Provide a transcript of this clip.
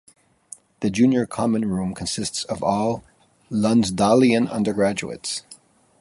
The Junior Common Room consists of all "Lonsdalion" undergraduates.